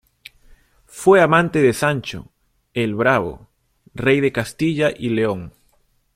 Fue amante de Sancho "el Bravo", rey de Castilla y León.